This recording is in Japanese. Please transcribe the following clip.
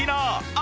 あ！